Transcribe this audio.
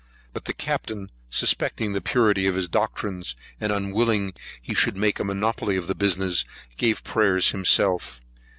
But the Captain suspecting the purity of his doctrines, and unwilling he should make a monopoly of the business, gave prayers himself.